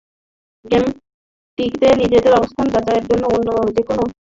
গেমটিতে নিজেদের অবস্থান যাচাইয়ের জন্য অন্য যেকোনো ম্যানেজারের সাথে প্রীতি ম্যাচ খেলা যাবে।